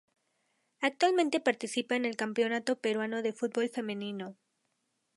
Actualmente participa en el Campeonato Peruano de Fútbol Femenino.